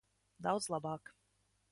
Daudz labāk.